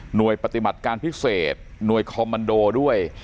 ปฏิบัติการพิเศษหน่วยคอมมันโดด้วย